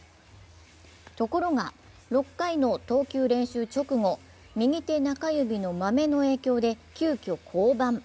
ところが、６回の投球練習直後右手中指の豆の影響で急きょ降板。